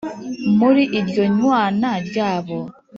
muri iryo nywana ryabo,